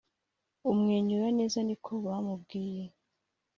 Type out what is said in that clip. umwenyura neza niko bamubwiye